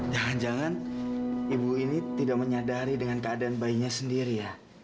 jangan jangan ibu ini tidak menyadari dengan keadaan bayinya sendiri ya